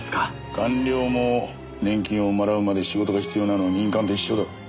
官僚も年金をもらうまで仕事が必要なのは民間と一緒だ。